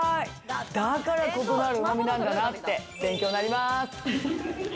だからコクのある旨味なんだなって勉強になります。